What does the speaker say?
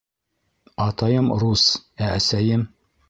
Атайым рус, ә әсәйем...